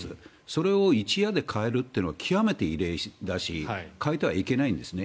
それを一夜で変えるというのは極めて異例だし変えてはいけないんです。